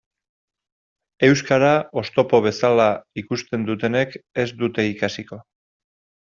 Euskara oztopo bezala ikusten dutenek ez dute ikasiko.